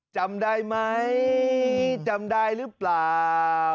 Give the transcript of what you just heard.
จำได้ไหมจำได้หรือเปล่า